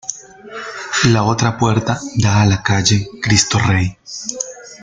La otra puerta da a la Calle Cristo Rey.